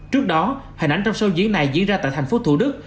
trước đó hình ảnh trong show diễn này diễn ra tại tp thủ đức